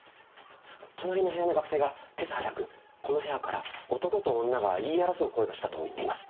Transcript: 隣の部屋の学生が今朝早くこの部屋から男と女が言い争う声がしたと言っています。